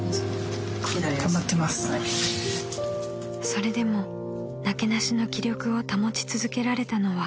［それでもなけなしの気力を保ち続けられたのは］